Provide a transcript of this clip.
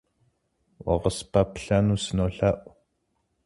Укъыспэплъэну сынолъэӏу.